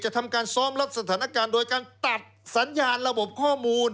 ทำการซ้อมรับสถานการณ์โดยการตัดสัญญาณระบบข้อมูล